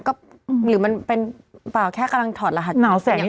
กัลังถอดรหัส